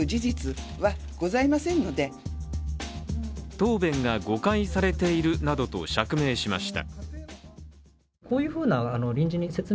答弁が誤解されているなどと釈明しました。